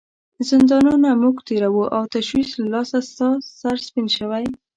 زندانونه موږ تیروو او تشویش له لاسه ستا سر سپین شوی.